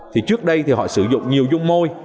thì trước đây thì họ sử dụng nhiều dung môi